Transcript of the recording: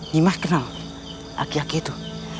nimas kenal aki aki itu